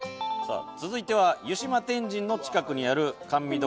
「続いては湯島天神の近くにある甘味処